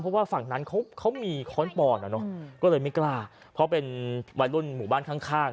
เพราะว่าฝั่งนั้นเขามีค้อนปอนอ่ะเนอะก็เลยไม่กล้าเพราะเป็นวัยรุ่นหมู่บ้านข้าง